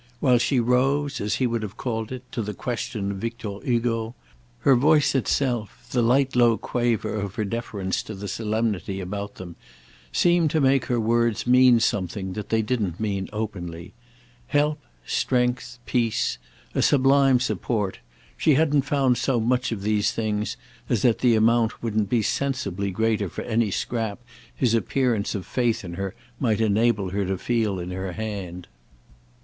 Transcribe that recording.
While she rose, as he would have called it, to the question of Victor Hugo, her voice itself, the light low quaver of her deference to the solemnity about them, seemed to make her words mean something that they didn't mean openly. Help, strength, peace, a sublime support—she hadn't found so much of these things as that the amount wouldn't be sensibly greater for any scrap his appearance of faith in her might enable her to feel in her hand.